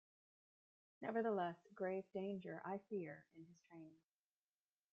Nevertheless, grave danger I fear in his training.